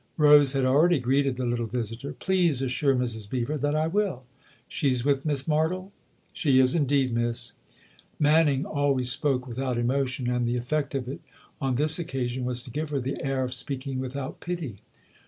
Rose had already greeted the little visitor. " Please assure Mrs. Beever that I will. She's with Miss Martle ?" "She is indeed, miss." Manning always spoke without emotion, and the effect of it on this occasion was to give her the air of speaking without pity.